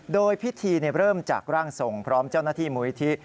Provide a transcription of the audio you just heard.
โดยพิธีเริ่มจากร่างทรงพร้อมเจ้าหน้าที่มูลิธิ